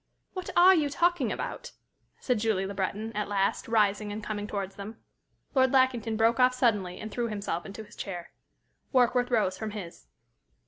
"What are you talking about?" said Julie Le Breton, at last, rising and coming towards them. Lord Lackington broke off suddenly and threw himself into his chair. Warkworth rose from his.